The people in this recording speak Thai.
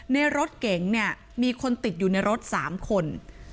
ในรถเก๋งเนี่ยมีคนติดอยู่ในรถ๓คน